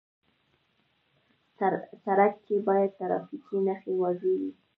سړک کې باید ټرافیکي نښې واضح وي.